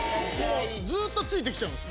ずっと付いてきちゃうんです。